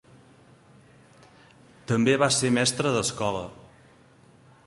També va ser mestre d'escola.